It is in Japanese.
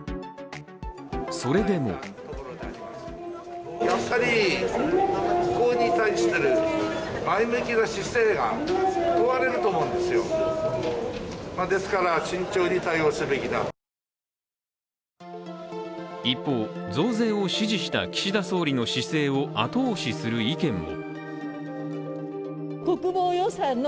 それでも一方、増税を指示した岸田総理の姿勢を後押しする意見も。